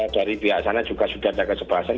dari pihak sana juga sudah ada kecemasan